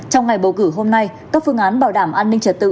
trong ngày bầu cử hôm nay các phương án bảo đảm an ninh trật tự